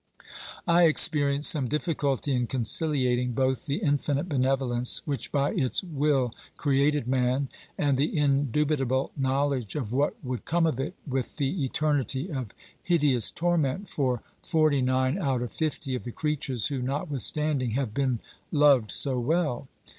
1 experience some difficulty in conciliating both the infinite benevolence which by its will created man and the indubitable knowledge of what would come of it with the eternity of hideous torment for forty nine out of fifty of the creatures who, notwithstanding, have been loved so well.